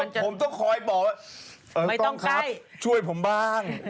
ผมต้องคอยบอกว่าต้องครับช่วยผมบ้าง